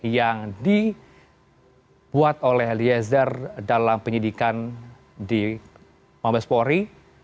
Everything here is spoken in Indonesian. yang dibuat oleh eliezer dalam penyidikan di mabespori